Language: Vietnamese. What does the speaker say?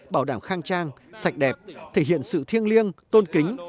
bảo đảm khang trang sạch đẹp thể hiện sự thiêng liêng tôn kính